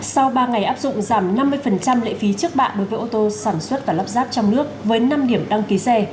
sau ba ngày áp dụng giảm năm mươi lệ phí trước bạ đối với ô tô sản xuất và lắp ráp trong nước với năm điểm đăng ký xe